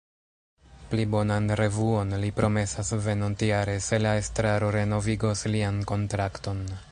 Pli bonan revuon li promesas venontjare, se la estraro renovigos lian kontrakton.